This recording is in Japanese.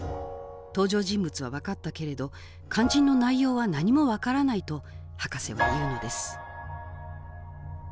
登場人物は分かったけれど肝心の内容は何も分からないとハカセは言うのです